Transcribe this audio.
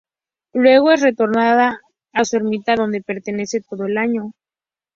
Luego es retornada a su ermita donde permanece todo el año.